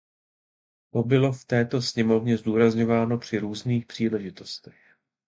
To bylo v této sněmovně zdůrazňováno při různých příležitostech.